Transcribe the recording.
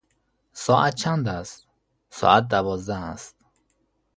ساعت چند است؟ ساعت دوازده است.